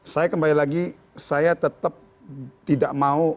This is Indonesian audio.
saya kembali lagi saya tetap tidak mau